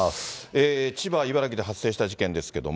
千葉、茨城で発生した事件ですけれども。